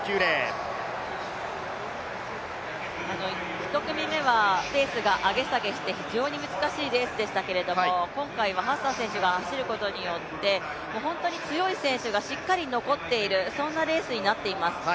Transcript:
１組目はペースが上げ下げして非常に難しいレースでしたけれども今回はハッサン選手が走ることによって、本当に強い選手がしっかり残っているそんなレースになっています。